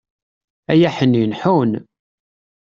Ay Aḥnin, ḥun!